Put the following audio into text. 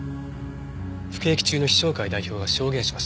服役中の陽尚会代表が証言しました。